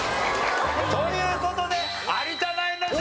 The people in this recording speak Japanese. という事で有田ナインの勝利！